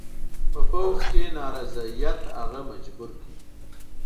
په پوځ کې نارضاییت هغه مجبور کړ.